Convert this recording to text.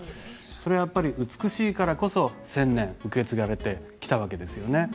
それはやっぱり美しいからこそ１，０００年受け継がれてきた訳ですよね。